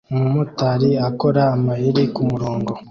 Umumotari akora amayeri kumurongo